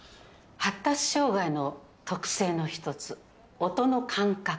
発達障害の特性の一つ音の感覚